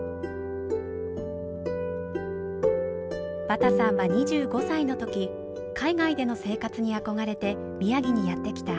バタさんは２５歳の時海外での生活に憧れて宮城にやって来た。